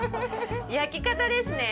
焼き方ですね。